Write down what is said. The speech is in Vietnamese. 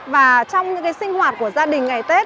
và trong những sinh hoạt của gia đình ngày tết